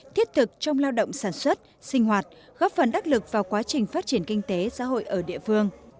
thiết thực trong lao động sản xuất sinh hoạt góp phần đắc lực vào quá trình phát triển kinh tế xã hội ở địa phương